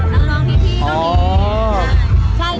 น้องพี่ก็มี